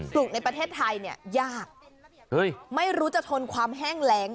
ลูกในประเทศไทยเนี่ยยากไม่รู้จะทนความแห้งแรง